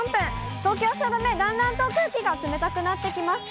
東京・汐留、だんだんと空気が冷たくなってきました。